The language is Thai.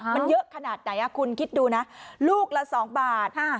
มันเยอะขนาดไหนคุณคิดดูนะลูกละ๒บาท